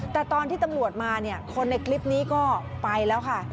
แต่ตอนที่ตำรวจมาเนี่ยคนในคลิปนี้ก็ไปแล้วค่ะ